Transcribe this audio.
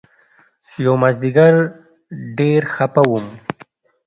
يومازديگر ډېر خپه وم.